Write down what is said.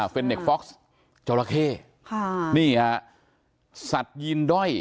เป็นเนตโฟคซ์จัวราเข้นี่สัตว์ยินด้อย